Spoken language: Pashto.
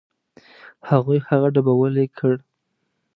هغوی هغه ډبولی کړ.